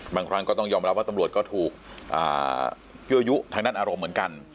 บางครั้งก็ต้องยอมรับว่าตำรวจก็ถูกยั่วยุทางด้านอารมณ์เหมือนกัน